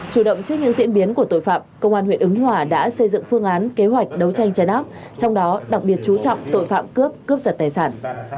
chủ động trước những diễn biến của tội phạm công an huyện ứng hòa đã xây dựng phương án kế hoạch đấu tranh chấn áp trong đó đặc biệt chú trọng tội phạm cướp cướp giật tài sản